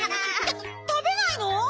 たべないの？